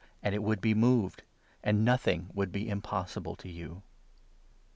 ' and it would be moved ; and nothing would be impossible to you."